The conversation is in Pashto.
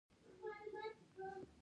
د شفتالو د پاڼو تاویدل څنګه درمل کړم؟